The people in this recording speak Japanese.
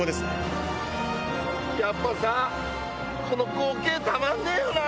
やっぱさ、この光景、たまんねぇよな。